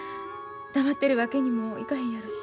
黙ってるわけにもいかへんやろし。